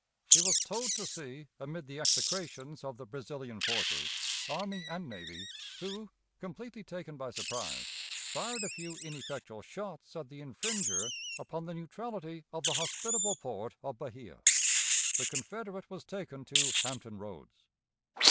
She was towed to sea amid the execrations of the Brazilian forces, army and navy, who, completely taken by surprise, fired a few ineffectual shots at the infringer upon the neutrality of the hospitable port of Bahia. The Confederate was taken to Hampton Roads.